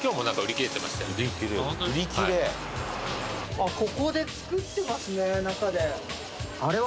あっここで作ってますね中で。